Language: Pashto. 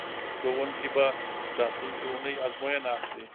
ښوونکي به راتلونکې اونۍ ازموینه اخلي.